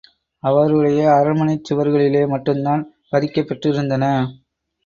அவருடைய அரண்மனைச் சுவர்களிலே மட்டும்தான் பதிக்கப் பெற்றிருந்தன.